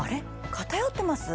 偏ってます？